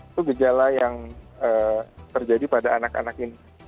itu gejala yang terjadi pada anak anak ini